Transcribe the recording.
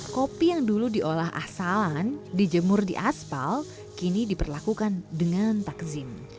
kopi yang dulu diolah asalan dijemur di aspal kini diperlakukan dengan takzim